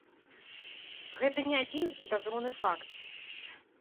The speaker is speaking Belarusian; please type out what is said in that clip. Гэта не адзіны падазроны факт.